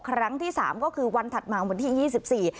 ครั้งที่๓ก็คือวันถัดมาวันที่๒๔